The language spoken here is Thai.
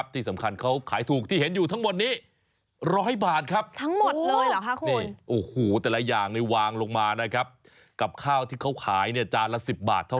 ที่สำคัญเขาขายถูกที่เห็นอยู่ทั้งหมดนี้